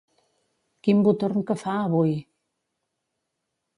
Quin botorn que fa, avui!